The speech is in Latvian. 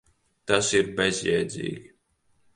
Tas ir bezjēdzīgi.